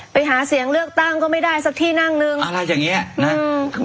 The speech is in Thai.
ไปหาเสียงเลือกตั้งก็ไม่ได้สักที่นั่งนึงอะไรอย่างเงี้ยนะอืม